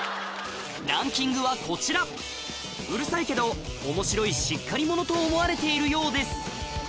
ランキングはこちらうるさいけどおもしろいしっかり者と思われているようです